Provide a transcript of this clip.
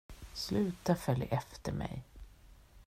Sluta följ efter mig.